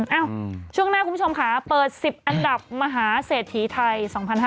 เอ้าช่วงหน้าคุณผู้ชมค่ะเปิด๑๐อันดับมหาเศรษฐีไทย๒๕๕๙